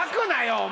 お前！